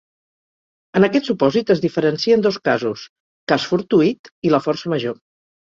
En aquest supòsit es diferencien dos casos: cas fortuït i la força major.